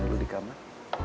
ya udah dikamar